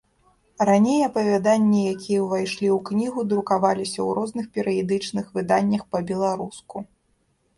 Раней апавяданні, якія ўвайшлі ў кнігу, друкаваліся ў розных перыядычных выданнях па-беларуску.